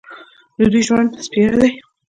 د دوی ژوند سپېره دی.